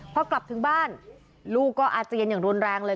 พอกลับถึงบ้านลูกก็อาเจียนอย่างรุนแรงเลย